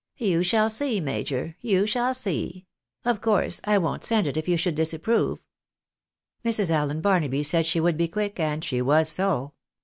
"" You shall see, major, you shall see ; of course I won't send it if you should disapprove." Mrs. Allen Barnaby said she would be quick, and she was so.